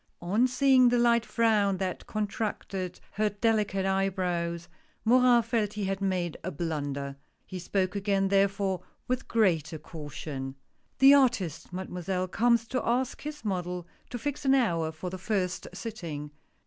On seeing the light frown that contracted her deli cate eyebrows, Morin felt he had made a blunder. He spoke again therefore with greater caution. "The artist. Mademoiselle, comes to ask his model, to fix an hour for the first sitting.